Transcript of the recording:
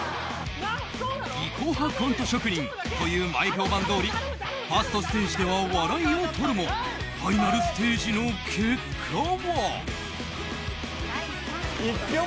技巧派コント職人という前評判どおりファーストステージでは笑いをとるもファイナルステージの結果は。